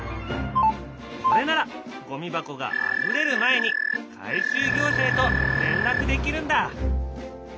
これならゴミ箱があふれる前に回収業者へと連絡できるんだ。